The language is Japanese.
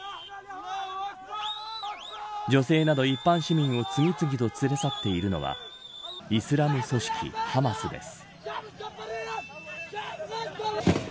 女性など一般市民を次々と連れ去っているのはイスラム組織、ハマスです。